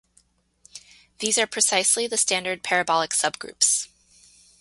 These are precisely the standard parabolic subgroups.